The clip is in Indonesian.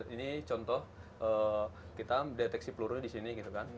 ini contoh kita deteksi peluru di sini